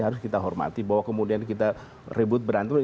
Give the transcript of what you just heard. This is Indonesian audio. harus kita hormati bahwa kemudian kita ribut berantem